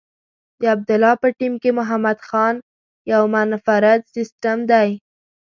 د عبدالله په ټیم کې محمد خان یو منفرد سیسټم دی.